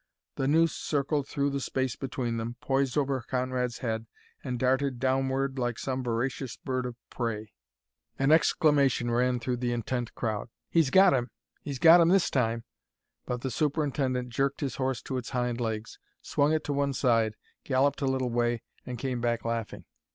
The noose circled through the space between them, poised over Conrad's head, and darted downward like some voracious bird of prey. An exclamation ran through the intent crowd, "He's got him! He's got him this time!" But the superintendent jerked his horse to its hind legs, swung it to one side, galloped a little way, and came back laughing.